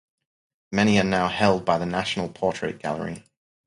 Many are now held by the National Portrait Gallery.